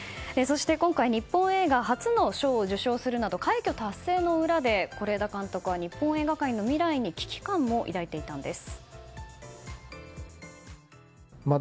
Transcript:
今回、日本映画初の賞を受賞するなど快挙達成の裏で是枝監督は日本映画界の未来に危機感を抱いていたんです。